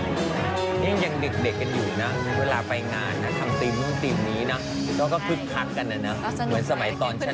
ยังเด็กกันอยู่นะเวลาไปงานทำฟรีมนี้เดี๋ยวก็พึกคักกันนะ